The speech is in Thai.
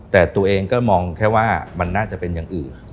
แต่ตัวเองก็มองแค่ว่ามันน่าจะเป็นอย่างอื่น